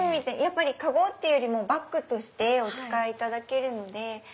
籠っていうよりもバッグとしてお使いいただけるので。